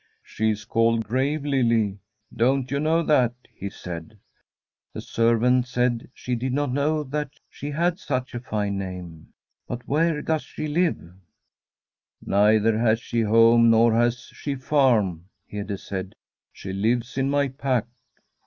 ' She is called Grave Lily — don't you know that ?' he said. The servant said she did not know that she had such a fine name. ' But where does she live ?' The STORY of a COUNTRY HOUSE * Neither has she home nor has she farm/ Hede said. * She lives in my pack.'